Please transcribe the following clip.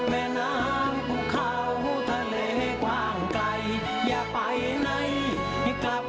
อยากไปไหนอยากไปไหนอยากไปไหน